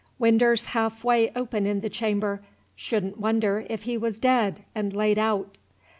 Winder's half way open in the chamber, should n' wonder 'f he was dead and laid aout.